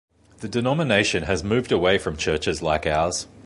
The denomination has moved away from churches like ours.